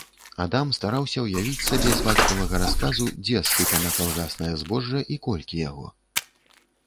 Адам стараўся ўявіць сабе з бацькавага расказу, дзе ссыпана калгаснае збожжа і колькі яго.